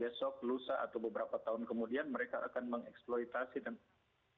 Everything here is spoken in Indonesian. besok lusa atau beberapa tahun kemudian mereka akan mengeksploitasi dan